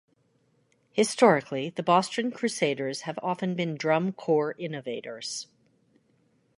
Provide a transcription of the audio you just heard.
Historically, the Boston Crusaders have often been drum corps innovators.